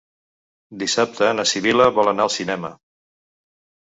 Dissabte na Sibil·la vol anar al cinema.